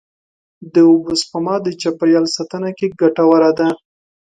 د اوبو سپما د چاپېریال ساتنې کې ګټوره ده.